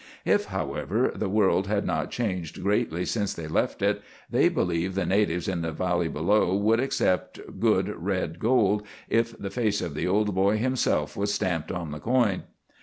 If, however, the world had not changed greatly since they left it, they believed the natives in the valley below would accept good red gold if the face of the old boy himself was stamped on the coin.